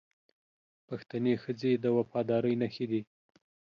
پښتنې ښځې د وفادارۍ نښې دي